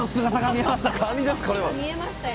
見えましたよ。